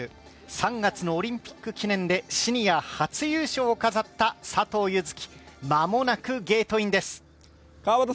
３月のオリンピック記念でシニア初優勝を飾った佐藤柚月、間もなくゲートインです